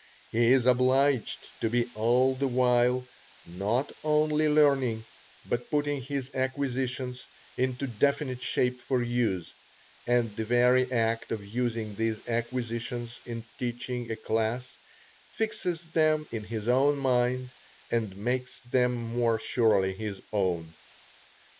He is obliged to be all the while, not only learning, but putting his acquisitions into definite shape for use, and the very act of using these acquisitions in teaching a class, fixes them in his own mind, and makes them more surely his own.